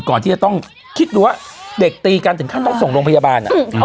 ก่อนที่จะต้องคิดดูว่าเด็กตีกันถึงขั้นต้องส่งโรงพยาบาล